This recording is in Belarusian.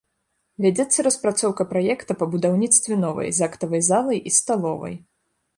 Вядзецца распрацоўка праекта па будаўніцтве новай з актавай залай і сталовай.